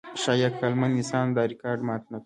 ښایي عقلمن انسان دا ریکارډ مات نهکړي.